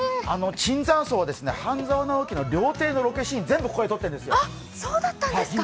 椿山荘は「半沢直樹」の料亭のシーン、全部ここで撮ってるんですよ。